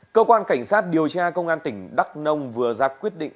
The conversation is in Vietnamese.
cơ quan cảnh sát điều tra công an tỉnh đắk nông vừa ra quyết định